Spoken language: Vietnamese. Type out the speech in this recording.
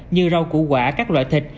như rau củ quả các loại thịt